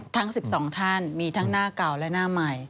ทั้ง๑๒ท่านมีทั้งหน้าเก่าและหน้าใหม่